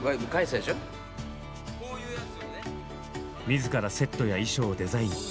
自らセットや衣装をデザイン。